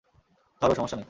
ধরো, সমস্যা নেই।